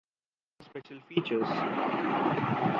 Any other special features?